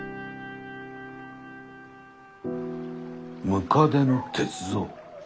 百足の鉄三？